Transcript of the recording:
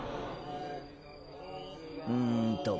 うーんと。